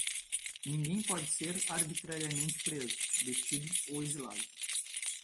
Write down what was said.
Ninguém pode ser arbitrariamente preso, detido ou exilado.